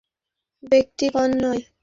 এটা মোটেও ব্যক্তিগত নয়, ম্যাডাম।